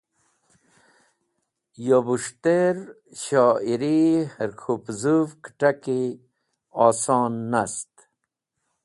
Yo bus̃htẽr shoyiri hẽr k̃hũ pẽzũv kẽt̃aki oson nast